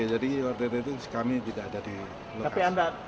jadi ott itu kami tidak ada di lokasi